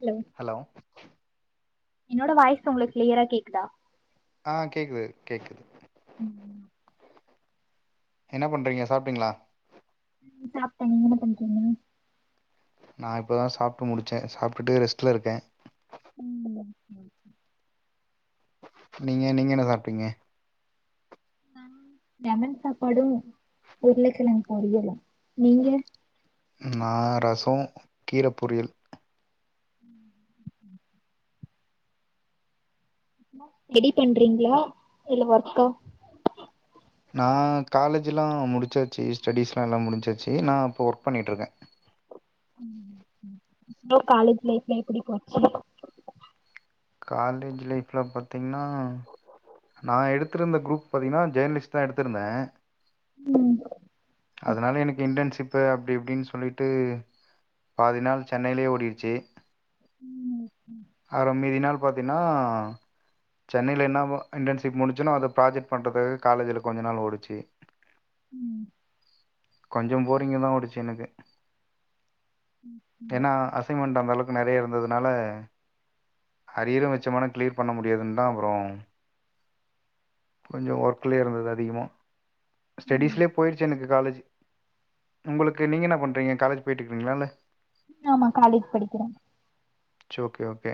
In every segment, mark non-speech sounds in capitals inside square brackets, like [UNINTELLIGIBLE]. Hello hello என்னோட voice உங்களுக் கிளியரா கேக்குதா ஆ கேக்குது கேக்குது ம் ம் என்னப் பண்ணுறீங்க சாப்பிட்டீங்களா சாப்டே நீங்க என்ன பண்றீங்க நா இப்ப தா சாப்ட்டு முடிச்சே சாப்ட்டுட்டு ரெஷ்ட்லருக்கே ம் [INAUDIBLE] நீங்க நீங்க என்ன சாப்ட்டீங்க லெமன் சாப்பாடு உருளைக்கெழங் பொரியலு நீங்க நா ரசோ கீர பொரியல் ம் ரெடி பண்றீங்களா இல்ல ஒர்க்கா நா காலேஜிலா முடிச்சாச்சு ஸ்டெடீஸ்லா எல்லா முடிஞ்சாச்சு நா இப்போ ஒர்க் பண்ணிட்டுருக்கே ம் ம் உங்க காலேஜ் லைஃப்லா எப்படி போச்சு காலேஜ் லைஃப்லா பாத்தீங்கன்னா நா எடுத்திருந்த குரூப் பாத்தீங்கன்னா ஜேர்னலிஸ்ட் தா எடுத்துருந்தே ம் அதனால எனக்கு இன்டர்ன்ஷிப் இப்போ அப்படி இப்படின்னு சொல்லிட்டு பாதி நாள் சென்னையிலயே ஓடிடுச்சு ம் ம் அதுல மீதி நாள் பாத்தீன்னா சென்னையில என்ன இன்டர்ன்ஷி முடிச்சோன அத ப்ராஜெக்ட் பண்ணுறது காலஜில கொஞ்ச நாள் ஓடிச்சு ம் கொஞ்சோ போரிங்க தா ஓடுச்சு எனக்கு ஏன்னா அசைன்மெண்ட் அந்தளவுக் மேலையே இருந்ததுனால அரியர் வச்சோமன கிளீர் பண்ண முடியாதுன் தா அப்புறோ கொஞ்சோ ஒர்க்கலயே இருந்தது அதிகமாக ஸ்டெடீஸ்லயே போயிருச்சு எனக்கு காலேஜ் உங்களுக்கு நீங்க என்ன பண்றீங்க காலேஜ் போயிட்டுருக்கீங்களா ஆமா காலேஜ் படிக்கிறா சேர் ஓகே ஓகே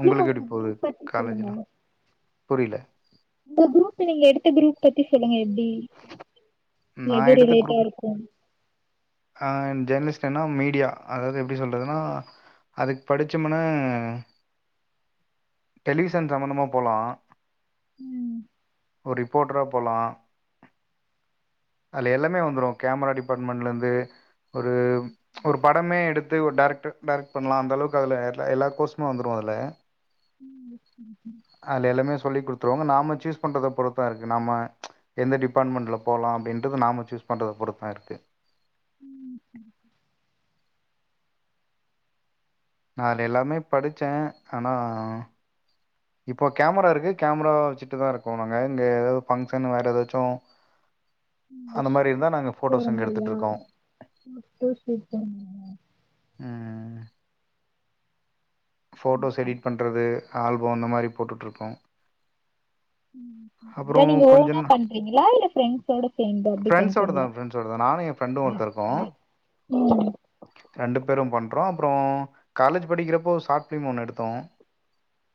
சொல்லுங்க உங்களுக்கு உங்க எப்டி போது குரூப் பத்தி சொல்லுங்க காலேஜ்லா புரியல இந்த குரூப் நீங்க எடுத்த குரூப் பத்தி சொல்லுங்க எப்பிடி நான் எது ரிலேட்டாருக்கு ஆ ஜேர்னலிஸ்ட்ன்னா மீடியா அதாவது எப்பிடி சொல்றதுன்னா அதுக்கு படிச்சோமுனா டெலிவிஷன் சம்பந்தமா போலா ம் ஒரு ரிப்போர்ட்டரா போலா அது எல்லாமே வந்துரு கேமரா டிபார்ட்மெண்ட்லருந்து ஒரு ஒரு படமே எடுத்து ஒரு டைரக்ட்ரு டைரெக்ட் பண்லா அந்த அளவுக்கு அதுல எல்லா கோர்ஸுமு வந்துரு அதுல ம் அதுல எல்லாமே சொல்லி் குடுத்துருவோங்க நாம சூஸ் பண்றத பொறுத்தா இருக்கு நம்ம எந்த டிபார்ட்மெண்ட்ல போலா அப்படின்றது நாம சூஸ் பண்றத பொறுத்தா இருக்கு ம். நா அதுல எல்லாமே படுச்சே ஆனா இப்போ கேமரா இருக்கு கேமரா வச்சுட்டுதா இருக்கோ நாங்க இங்க தாவது பங்ஷன் வேற எதாச்சு [INAUDIBLE] விஷ் போற ஃபோட்டோஸ் இங்க மாரியா [INAUDIBLE] எடுத்துட்ருக்கோ ம் ம், போட்டோஸ் ம், எடிட் பண்றது ஆல்போ இந்த மாரி போட்டுட்டுருக்கோ ல நீங்க ஓனா பண்றீங்களா இல்ல ப்ரெண்ட்ஸோட சேந்து அப்படி பண்றீங்களா ஷோடதா நானு எ ஃப்ரெண்டு ஒருத்த இருக்கோ ம் ரெண்டு பேரு பண்றோ அப்புறோ காலேஜ் படிக்கிறப்போ ஷார்ட் பிலிம் ஒன்னு எடுத்தோ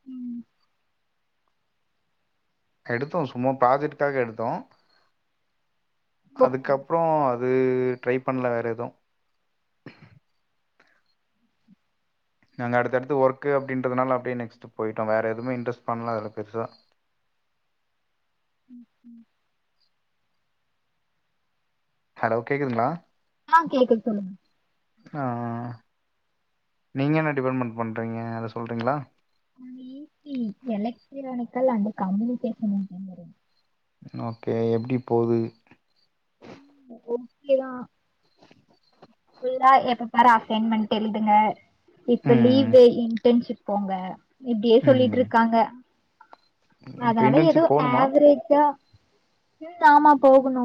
ம் எடுத்தோ சும்மா ப்ராஜெக்ட்காக எடுத்தோ ஓகே. அதுக்கப்புறோ அ து ட்ரை பண்ணல வேற எது நாங்க அடுத்தடுத்து ஒர்க்கு அப்படின்றதுனால அப்டியே நெக்ஸ்ட் போயிட்டோ வேற எதுமே இன்ரெஸ்ட் பண்ல அதல பெருசா ம் ம் ஹலோ கேக்குதுங்களா ஆ கேக்குது சொல்லுங் ஆ நீங்க என்ன டிபார்ட்மெண்ட் பண்ணுறீங்க அத சொல்றீங்களா எலக்ட்டிரானிக்கல் அண்டு கம்யூனிகேஷன் [INAUDIBLE] ஓகே எப்படி போது ஓகே தா ஃபுல்லா எப்ப பாரு அசைன்மென்ட் எழுதுங்க இப்ப ம் லீவு இன்டர்ன்ஷிப் போங்க இப்டியே ம் சொல்லிட்ருக்காங்க இப்போ அதனால எதோ இன்டர்ன்ஷிப் போகணுமா ஆவே ரெஜா ம் ஆமா போகணு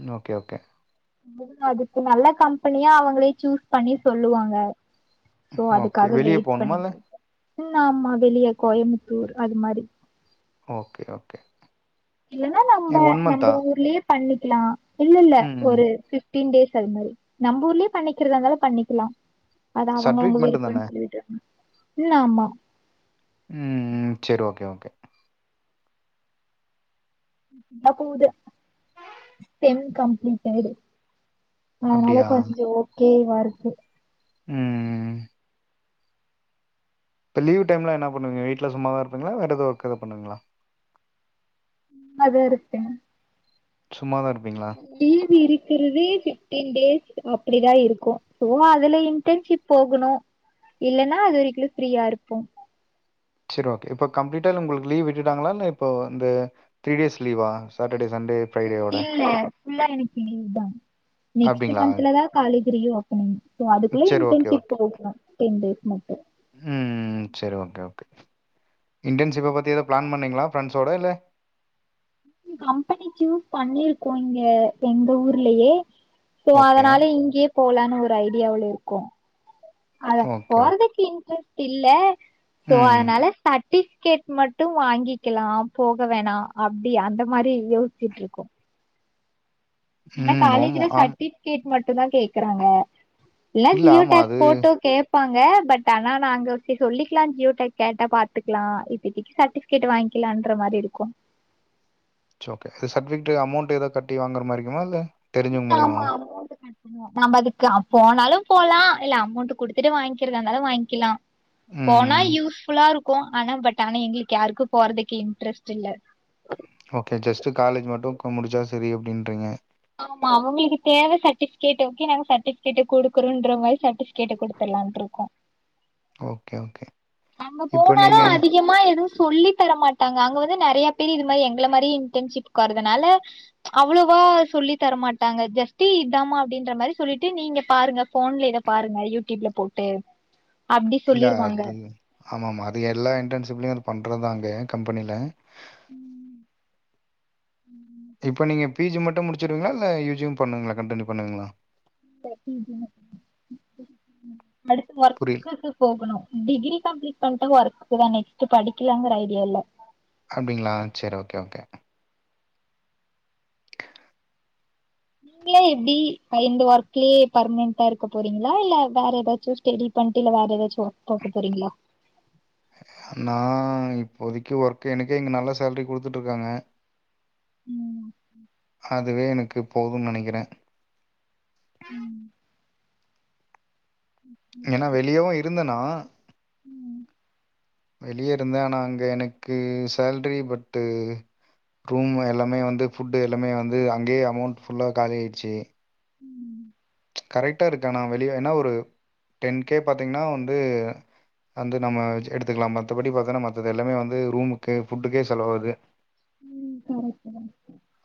ம் ஓகே ஓகே அதுக்கு நல்ல கம்பெனியா அவங்களே சூஸ் பண்ணி சொல்லுவாங்க சோ ஓகே அதுக்காக வெளியே வெய்ட் போகணுமா பண்ணிட்டு இல்லை இருக்க ம் ஆமா வெளிய கோயமுத்தூர் அது மாரி ஓகே ஓகே இல்லன்னா நம்ப ஒன் நம்ப மந்த்தா ஊர்லயே பண்ணிக்லா இல்ல இல்ல ம் ஒரு பிஃப்டீன் டேஸ் அது மாரி நம்ப ஊர்லே பண்ணிக்கிறதா இருந்தாலு பண்ணிக்கிலா அது அவங்க அவங்க சர்டிஃபிகேட் மட்டுந்தான விருப்பன் சொல்லிட்டு ம் ஆமா ம் சரி ஓகே ஓகே நாக் கூத செம் கம்ப்லீட்டேடு அதனால அப்டியா கொஞ்சோ ஓகேவாருக்கு ம் இப்ப லீவ் டைம்ல என்னா பண்ணுவீங்க வீட்ல சும்மா தா இருப்பீங்ளா வேற எதோ ஒர்க் எதோ பண்ணுவீங்ளா [UNINTELLIGIBLE] சும்மா தா இருப்பீங்ளா லீவ் இருக்குறதே பிஃப்டீன் டேஸ் அப்டிதா இருக்கு சோலா அதுல இன்டர்ன்ஷிப் போகுணு இல்லனா அது வரிக்லு ஃப்ரீயா இருப்போ செரி ஓகே இப்போ கம்ப்ளீட்டா இதுல உங்களுக்கு லீவ் விட்டுட்டாங்களா இல்ல இப்போ இந்த த்ரீ டேஸ் லீவா சட்டடே சண்டே ஃப்ரைடேவோட இல்லே ஃபுல்லா எனக்கு லீவுதாம் நெக்ஸ்ட்டு அப்டிங்களா மன்த்துலதா காலேஜூ ரீ ஓப்பனிங் சோ அதுக்குள்ள செரி ஓகே இன்டர்ன்ஷிப் ஓகே போண்ணு டென் டேஸ் மட்டு ம் செரி ஓகே ஓகே இன்டர்ன்ஷிப்ப பத்தி ஏதோ பிளான் பண்ணிங்ளா ஃப்ரெண்ட்ஸ் ஓட இல்ல கம்பெனி சூஸ் பண்ணிருக்கோ இங்க எங்க ஊர்லயே சோ ஓகே அதனால இங்கியே போலானு ஒரு ஐடியாவுல இருக்கோ அதல ஓகே ஓகே போறதுக்கு இன்ட்ரெஸ்ட் இல்ல சோ ம் அதனால சர்ட்டிபிகேட் மட்டு வாங்கிக்கலா போக வேணா அப்டி அந்த மாரி யோசிச்சுட்டு இருக்கோ எனாக் ம் ஆமா காலேஜ்ல ஆமா சட்டிப் கேட் மட்டுந்தா கேக்கறாங்க இல்னா இல்ல ஜியோ ஆமா டேக்ஸ் அது ஃபோட்டோ கேப் ப்பாங்க பட் ஆனா நாங்க சேர் சொல்லிக்கலா ஜியோடாக் கேட்ட பாத்துக்லா இப்பத்திக்கி சேட்டி டிக்கேட் வாங்கிலான்ற மாரி இருக்கு சோ கே சப்ஜெக்ட்டு அமௌண்ட் ஏதோ கட்டி வாங்குற மாரிங்ளா இல்ல தெரிஞ்சவங்க ஆமா மூலியமாவா அமௌன்டு [UNINTELLIGIBLE] நம்ப அதுக்கு அப் போனாலும் போலா இல்ல அமௌண்ட்டு குடுத்துட்டு வாய்ங்கிறதாந்தாலு வாய்ங்க்கிலா போனா ம் யூஸ் ஃபுல்லா இருக்கு ஆனா பட் ஆனா எங்ளுக்கு யாருக்கு போறதுக்கு இன்ட்ரெஸ்ட்டில்ல ஓகே ஜஸ்ட்டு காலேஜ் மட்டு கு முடிச்சா சரி அப்டின்றீங்க ஆமா அவுங்களுக்கு தேவ சர்டிபிகேட் ஓகே நாங்க சர்டிபிகேட் குடுக்குறோன்ற மாரி சர்டிபிகேட்ட குடுத்தரலானு இருக்கோ ஓகே ஓகே நம்ப இப்போ போனாலு நீங்க அதி முக்கியமா எதுவு சொல்லி தரமாட்டாங்க அங்க வந்து நெறைய பேரு இது மாரி எங்கள மாரி இன்டர்ன்ஷிப்க் வரதுனால அவ்ளோவா சொல்லி தரமாட்டாங்க ஜஸ்ட்டி இதாம அப்டின்ற மாரி சொல்லிட்டு நீங்க பாருங்க ஃபோன்ல இத பாருங்க யூடியூப்ல போட்டு அப்டி இல்ல சொல்லிருவாங்க அது ஆமா ஆமா அது எல்லா இன்டன்ஷிப்லயு அது பண்ற தா அங்க கம்பெனில ம் இப்ப நீங்க பி ஜி மட்டும் முடிச்சிருவீங்ளா இல்ல யூ ஜியும் பண்ணுவுங்ளா கண்டினியூப் பண்ணுவுங்ளா [UNINTELLIGIBLE] புரில் தீஸ்தீஸ் போகுணு டிகிரி கம்ப்ளீட் பண்ணிட்டா ஒர்க்கு தானே நெக்ஸ்ட் படிக்கலாங்குற ஐடியா இல்ல அப்டிங்ளா செரி ஓகே ஓகே நீங்கலா எப்டி இப்ப இந்த ஒர்க்லயே பர்மனண்டா இருக்க போறீங்களா இல்ல வேற ஏதாச்சு சூஸ் தெடி பண்ட்டு இல்ல வேற எதாச்சு ஒர்க் பாக்க போறீங்ளா நா இப்போதைக்கு ஒர்க் எனக்கெ இங்க நல்ல சேலரி குடுத்துட்ருக்காங்க ம் அதுவே எனக்கு போது நெனைக்கிறே ம் ஏனா வெளியவு இருந்தனா ம் வெளிய இருந்தே ஆனா அங்கே எனக்கு சேல்ரி பட்டு ரூம்மு எல்லாமே வந்து ஃபுட்டு எல்லாமே வந்து அங்கேயே அமௌண்ட் ஃபுல்ல காலி ஆகிடுச்சி ம் கரெக்டா இருக்கு ஆனா வெளிய ஏனா ஒரு டென் கே பாத்தீங்ன்னா வந்து வந்து நம்ம வச்சு எடுத்துக்குலா மத்தபடி பாத்தின்னா மத்தது எல்லாமே வந்து ரூமுக்கு ஃபுட்டுக்கே செலவாது ம் கரெக்ட் தா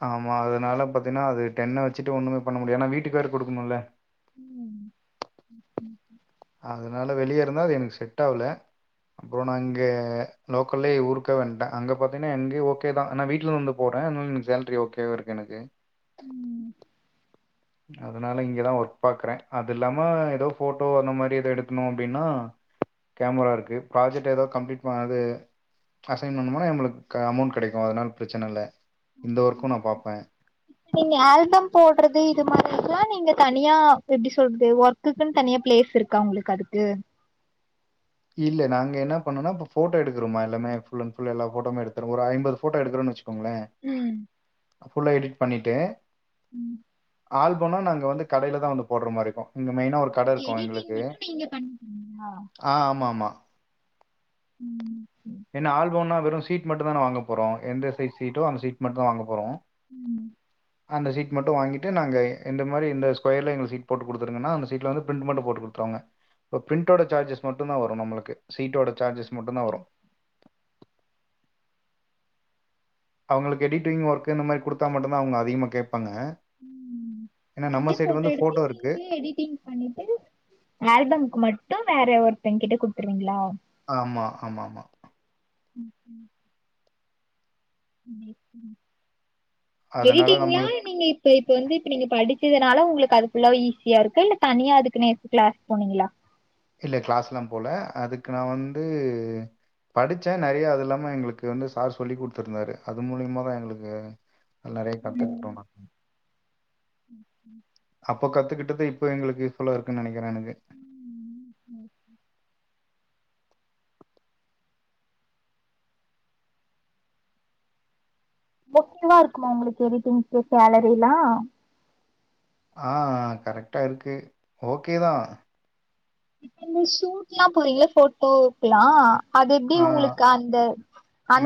ஆமா அதனாலப் பாத்தீங்னா அது டென்ன வெச்சுட்டு ஒன்னுமே பண்ண முடியு எனா வீட்டுக் வேற குடுக்குணுல்ல ம் அதனால வெளியே இருந்தா அது எனக்கு செட் ஆகல அப்றோ நா இங்க லோக்கல்லயே ஊர்க்க வந்டே அங்க பாத்தீங்கன்னா இங்கே ஓகே தா ஆனா வீட்ல வந்து போறே அத்னால் எனுக் சேல்ரி ஓகேவா இருக்கு எனக்கு ம் அதுனால இங்க தா ஒர்க் பாக்குறே அது இல்லாம ஏதோ ஃபோட்டோ அந்த மாதிரி ஏதோ எடுக்கணு அப்டின்னா கேமரா இருக்கு ப்ராஜெக்ட் எதா கம்ப்ளீட் பண்ணாது அசைன் பண்ணும்னா நம்பளுக்கு அமௌண்ட் கெடைக்கு அதனால பிரச்சன இல்ல இந்த ஒர்க்கு நா பாப்பே நீங்க ஆல்பம் போடுறது இது மாரிக்குலா நீங்க தனியா எப்டி சொல்றது ஒர்க் க்குகுன் தனியாப் பிளேஸ் இருக்கா உங்ளுக்கு அதுக்கு இல்ல நாங்க என்ன பண்ணுவோனா இப்ப ஃபோட்டோ எடுக்குறோமா எல்லாமே ஃபுல் அன்ட் ஃபுல் எல்லா ஃபோட்டோவுமே எடுத்துருவோ ஒரு ஐம்பது ஃபோட்டோ எடுக்குறோன்னு வச்சுகோங்களே ம் ஃபுல்லா எடிட் பண்ணிட்டு ம் ஆல்போனா நாங்க வந்து கடைல தா வந்து போடுற மாரி இருக்கு இங்கே மெயினா ஒரு கட இருக்கு எடிட்டிங் எங்களுக்கு மட்டு நீங்க பண் ம் ஆ ஆ ஆமா ஆமா ம் ஏனா ஆல்போம்னா வெறு சீட் மட்டு தான வாங்க போறோ எந்த சைஸ் சீட்டோ அந்த சீட் மட்டுதா வாங்க போறோ ம் அந்த சீட் மட்டு வாங்கிட்டு நாங்க எந்த மாரி இந்த ஸ்கொயர்ல எங்ளுக் சீட் போட்டு குடுத்துருங்கன்னா அந்த சீட்ல வந்துப் பிரிண்ட் மட்டும் போட்டு குடுத்துருவாங்க இப்ப பிரிண்டோட சார்ஜஸ் மட்டு தா வரு நம்ளுக்கு சீட்டோட ஓ சார்ஜஸ் மட்டு தா ஓகே வரும் அவங்களுக்கு எடிட்டிங் ஒர்க்கு இந்த மாரி குடுத்தா மட்டுதா அவங்க அதிகமா கேப்பாங்க ம் ஏனா நம்ம நீங்களே சைடு போட்டோ வந்து எடுத்து ஃபோட்டோ இருக்கு நீங்களே எடிட்டிங் பண்ணிட்டு ஆல்பம்க்கு மட்டு வேறே ஒருத்தே கிட்டே குடுத்துருவீங்களா ஆமா ஆமாமா அதனால வெய்ட்டீங்ளா நம்மளுக்கு நீங்க இப் சோ இப்ப வந்து இப்ப நீங்க படிச்சதுனால உங்களுக்கு அது ஃபுல்லாவே ஈஸியா இருக்கா இல்ல தனியா அதுக்குனே க்ளஸ் போனீங்களா இல்ல க்ளாஸ்ல்லா போல அதுக்கு நா வந்து படிச்ச நறைய அது இல்லாம எங்களுக்கு வந்து சார் சொல்லி குடுத்துருந்தாரு அது மூலியமா தா எங்களுக்கு நறைய கத்துக்ட்டோனா ம் ம் அப்ப கத்துக்கிட்டது இப்ப எங்களுக்கு யூஸ் ஃபுல்லா இருக்குன் நனைக்கிற எனக்கு இதுவா இருக்குமா உங்ளுக்கு எடிட்டிங்கு சேலரில்லா ஆ கரெக்டா இருக்கு ஓகே தா இந்த ஷூட்ல்லா போறீங்களே போட்டோக்லா அது எப்டி ஆ உங்களுக்கு அந்த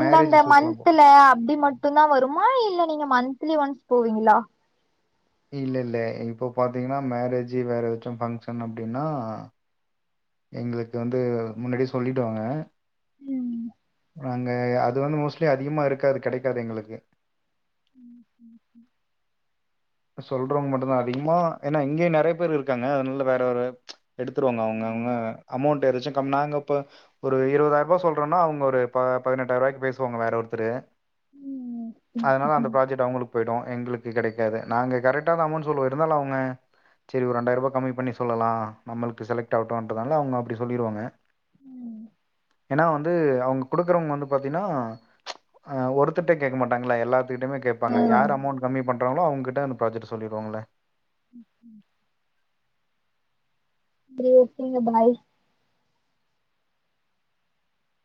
மேரேஜ் ஷூட்லாம் போ மந்த்தல அப்டி மட் ட்டுந்தா வருமா இல்ல நீங்க மந்த்லி ஒன்ஸ் போவீங்களா இல்ல இல்ல இப்போ பாத்தீங்கன்னா மேரேஜ் வேற எதாச்சு ஃபங்ஷன் அப்டின்னா எங்களுக் வந்து முன்னாடியே சொல்லிடுவாங்க ம் நாங்க அது வந்து மோஸ்ட்லி அதிகமா இருக்காது கெடைக்காது எங்களுக்கு சொல்றவங்க மட்டுதா அதிகமா ஏன்னா இங்கேயு நெறைய பேர் இருக்காங்க அதனால வேற ஒரு எடுத்துருவாங்க அவங்க அவங்க அமௌண்ட் எதாச்சு கம் நாங்க ப்ப ஒரு இருவதாயிர்வா சொல்றோன்னா அவங்க ஒரு ப பதினெட்டாயிரவாய்க் பேசுவாங்க வேற ஒருத்தரு ம் அதனால அந்த ப்ராஜெக்ட் அவங்களுக் போய்டு எங்களுக்கு கெடைக்காது நாங்க கரெக்டாதா அமௌண்ட் சொல்லுவோ இருந்தால அவங்க செரி ஒரு ரெண்டாயிரருவா கம்மி பண்ணி சொல்லலா நம்மளுக்கு செலக்ட் ஆகட்டுன்றனால அவங்க அப்படி சொல்லிருவாங்க ஏன்னா வந்து அவங்க கொடுக்குறவங்க வந்து பாத்தீங்கன்னா ஒருத்தர்ட்டே கேக்க மாட்டாங்கள எல்லா துகிட்டுமே கேப்பாங்க யார் அமொண்ட் கம்மி பண்றங்களோ அவ்ங்கிட்ட அந்த பிராஜெக்ட்ட சொல்லிருவாங்கள [UNINTELLIGIBLE] பாய்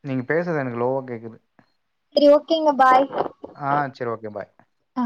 நீங்க பேசுறது எனக்கு லோவா கேட்குது சரி ஓகேங்க பாய் ஆ சரி ஓகே பாய் ஆ